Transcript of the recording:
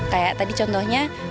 kayak tadi contohnya